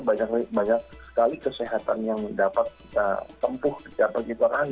banyak sekali kesehatan yang dapat kita tempuh di jalan jalan kita kan